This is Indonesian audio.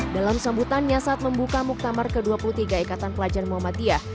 dalam sambutannya saat membuka muktamar ke dua puluh tiga ikatan pelajar muhammadiyah